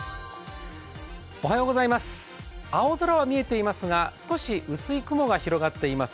青空は見えていますが少し薄い雲が広がっています。